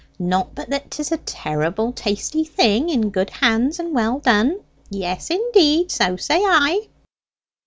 Not but that 'tis a terrible tasty thing in good hands and well done; yes, indeed, so say I."